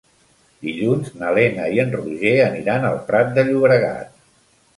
Dilluns na Lena i en Roger aniran al Prat de Llobregat.